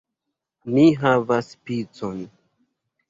Ni havas picon!